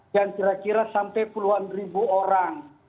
yang kira kira sampai puluhan ribu orang